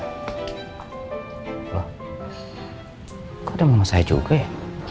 kok ada mama saya juga ya